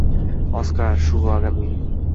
Oscar, শুভ আগামী।